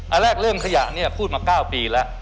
อันแรกเรื่องขยะเนี่ยพูดมา๙ปีแล้ว